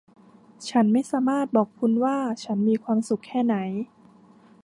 ฉันไม่สามารถบอกคุณว่าฉันมีความสุขแค่ไหน